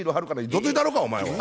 どついたろかお前は！